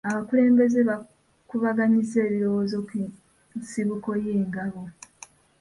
Abakulembeze baakubaganyizza ebirowoozo ku nsibuko y'engambo.